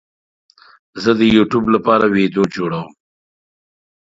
زه د یوټیوب لپاره ویډیو جوړوم